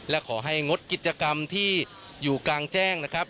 และขอให้งดกิจกรรมที่อยู่กลางแจ้งนะครับ